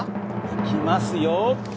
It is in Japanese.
いきますよ。